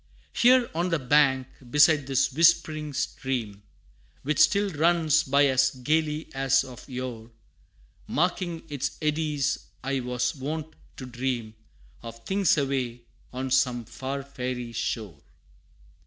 Here, on the bank, beside this whispering stream, Which still runs by as gayly as of yore, Marking its eddies, I was wont to dream Of things away, on some far fairy shore.